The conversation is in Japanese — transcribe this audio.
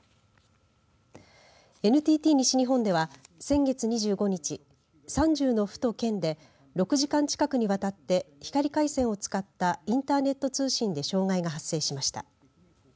ＮＴＴ西日本では先月２５日３０の府と県で６時間近くにわたって光回線を使ったインターネット通信で障害が発生しました。